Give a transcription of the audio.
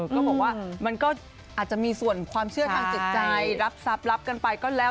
ก็บอกว่ามันก็อาจจะมีส่วนความเชื่อทางจิตใจรับทรัพย์รับกันไปก็แล้ว